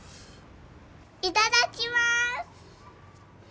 いただきます！